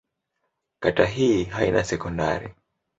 Kata hii haina sekondari.